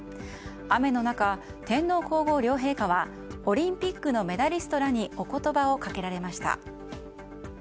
雨の中、天皇・皇后両陛下はオリンピックのメダリストらにお言葉をかけられました。